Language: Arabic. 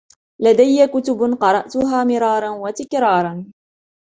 لدي كُتب قرأتها مرارا وتكرارا.